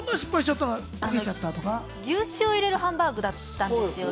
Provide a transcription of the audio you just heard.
牛脂を入れるハンバーグだったんです。